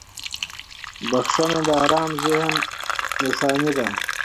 • بخښنه د آرام ذهن نښه ده.